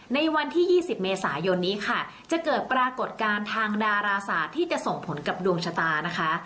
ในวันที่๒๐เมษายนนี้ค่ะจะเกิดปรากฏการณ์ทางดาราศาสตร์ที่จะส่งผลกับดวงชะตานะคะ